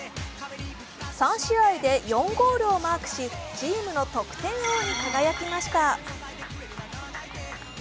３試合で４ゴールをマークし、チームの得点王に輝きました。